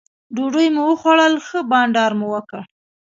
ډوډۍ مو وخوړل ښه بانډار مو وکړ.